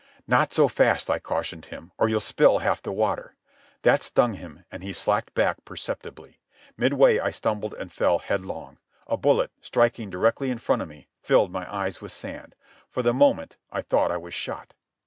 "Not so fast," I cautioned him, "or you'll spill half the water." That stung him, and he slacked back perceptibly. Midway I stumbled and fell headlong. A bullet, striking directly in front of me, filled my eyes with sand. For the moment I thought I was shot.